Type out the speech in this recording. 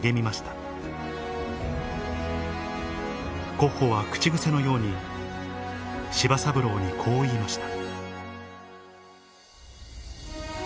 コッホは口癖のように柴三郎にこう言いました